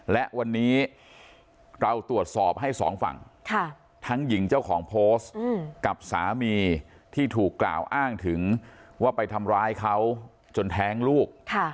และวันนี้เราตรวจสอบให้สองฝั่งทั้งหญิงเจ้าของโพสต์กับสามีที่ถูกกล่าวอ้างถึงว่าไปทำร้ายเขาจนแท้งลูก